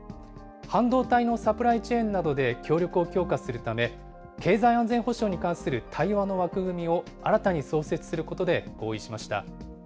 半導体のサプライチェーンなどで協力を強化するため、経済安全保障に関する対話の枠組みを新たに創設することで合意しました。